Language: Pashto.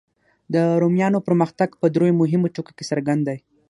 د رومیانو پرمختګ په دریو مهمو ټکو کې څرګند دی.